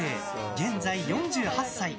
現在４８歳。